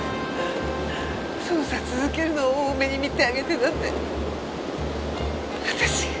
捜査続けるのを大目に見てあげてなんて私が。